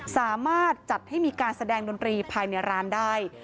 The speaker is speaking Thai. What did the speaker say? สามารถจัดให้มีการแสดงดนตรีภายในร้านได้